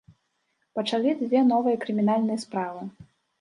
Пачалі дзве новыя крымінальныя справы.